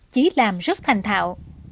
chí làm rất thành thạo